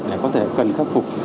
để có thể cần khắc phục